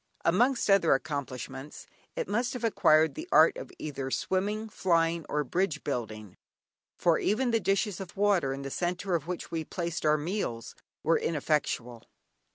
Amongst other accomplishments it must have acquired the art either of swimming, flying or bridge building, for even the dishes of water, in the centre of which we placed our meals, were ineffectual.